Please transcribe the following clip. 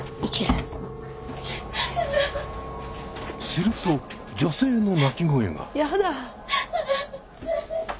すると女性の泣き声が。